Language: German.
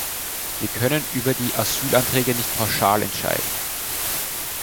Wir können über die Asylanträge nicht pauschal entscheiden.